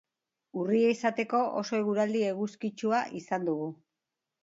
Urria izateko oso eguraldi eguzkitsua izan dugu.